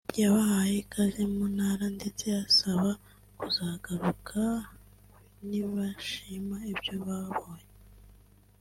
yabahaye ikaze mu Ntara ndetse abasaba kuzagaruka nibashima ibyo babonye